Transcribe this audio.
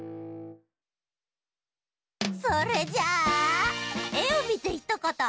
それじゃあ「えをみてひとこと」